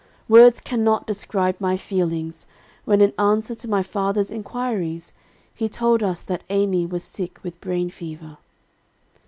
Words cannot describe my feelings, when in answer to my father's inquiries, he told us that Amy was sick with brain fever.